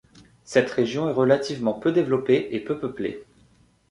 Cette région est relativement peu développée et peu peuplée.